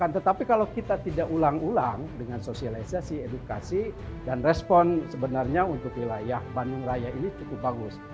tetapi kalau kita tidak ulang ulang dengan sosialisasi edukasi dan respon sebenarnya untuk wilayah banyung raya ini cukup bagus